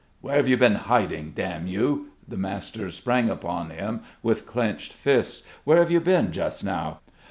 "Where have you been hiding, damn you?" The master sprang upon him with clenched fists. "Where have you been just now?